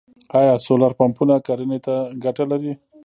آیا سولر پمپونه کرنې ته ګټه لري؟